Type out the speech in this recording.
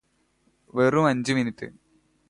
വെറും അഞ്ച് മിനിട്ട്